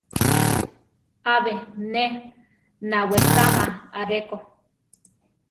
Abe ne nawesama areko.